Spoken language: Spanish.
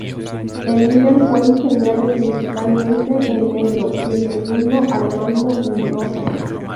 El líder fue diseñado principalmente en negro y el segundo al mando en rojo.